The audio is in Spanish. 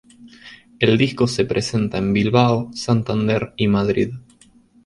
El disco se presenta en Bilbao, Santander y Madrid.